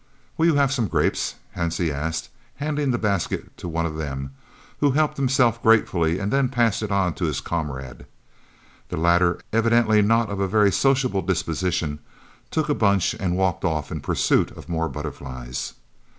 "Will you have some grapes?" Hansie asked, handing the basket to one of them, who helped himself gratefully and then passed it on to his comrade. The latter, evidently not of a very sociable disposition, took a bunch and walked off in pursuit of more butterflies.